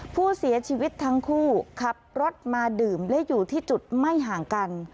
ผู้เสียชีวิตทั้งคู่ขับรถมาดื่มและอยู่ที่จุดไม่ห่างกัน